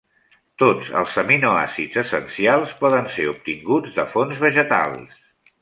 Tots els aminoàcids essencials poden ser obtinguts de fonts vegetals.